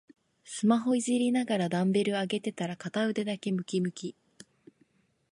スマホいじりながらダンベル上げてたら片腕だけムキムキ